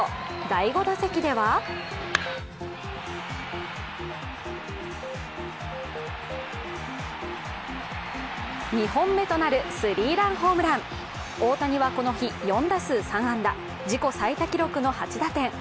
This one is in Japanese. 第５打席では２本目となるスリーランホームラン大谷はこの日４打数３安打自己最多記録の８打点。